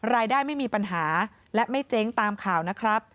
ไม่มีปัญหาและไม่เจ๊งตามข่าวนะครับ